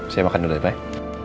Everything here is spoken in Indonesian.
saya makan dulu baik